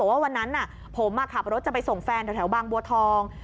ว่าวันนั้นผมขับรถจะไปส่งแฟนแถวบางบัวทอง